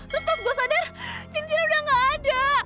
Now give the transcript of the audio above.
terus pas gue sadar cincin udah gak ada